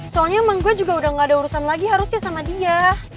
soalnya emang gue juga udah gak ada urusan lagi harusnya sama dia